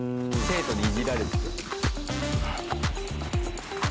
生徒に、いじられてる。